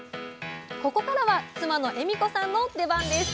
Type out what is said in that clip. ここからは妻の栄美子さんの出番です。